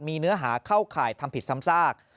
มีเนื้อหาเข้าข่ายทำผิดซ้ำซาก